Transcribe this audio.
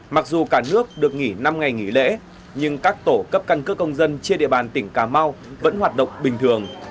mặc dù cả nước được nghỉ năm ngày nghỉ lễ nhưng các tổ cấp căn cước công dân trên địa bàn tỉnh cà mau vẫn hoạt động bình thường